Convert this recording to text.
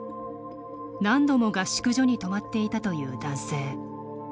何度も合宿所に泊まっていたという男性。